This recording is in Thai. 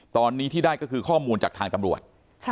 ตอนนี้ที่ได้ก็คือข้อมูลจากทางตำรวจ